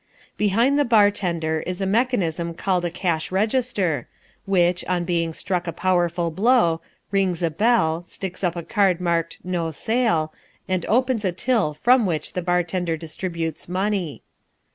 Behind the bar tender is a mechanism called a cash register, which, on being struck a powerful blow, rings a bell, sticks up a card marked NO SALE, and opens a till from which the bar tender distributes money.